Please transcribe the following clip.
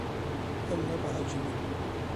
Em nebehecî ne.